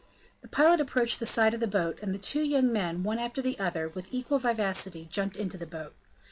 The pilot approached the side of the boat, and the two young men, one after the other, with equal vivacity, jumped into the boat.